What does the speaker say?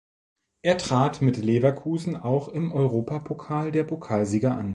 Er trat mit Leverkusen auch im Europapokal der Pokalsieger an.